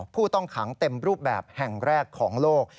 ผู้ต้องขังเต็มรูปแบบแห่งแรกของโลก